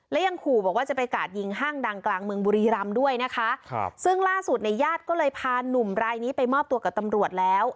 และยังขู่บอกว่าจะไปกาดยิงห้างดังกลางเมืองบุรีรำด้วยนะคะครับซึ่งล่าสุดเนี่ยญาติก็เลยพาหนุ่มรายนี้ไปมอบตัวกับตำรวจแล้ว